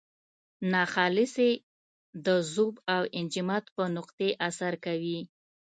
ناخالصې د ذوب او انجماد په نقطې اثر کوي.